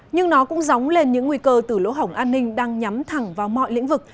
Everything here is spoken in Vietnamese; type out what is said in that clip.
nhưng nó cũng giống lên những nguy cơ từ lỗ hỏng an ninh đang nhắm thẳng vào mọi lĩnh vực